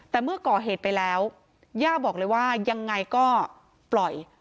แต่เมื่อก่อเหตุไปแล้วย่าบอกเลยว่ายังไงก็ปล่อย